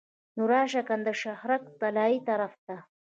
نو راشه کنه د شهرک طلایې طرف ته.